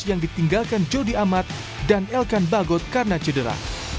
yang ditinggalkan jody amat dan elkan bagot karena cedera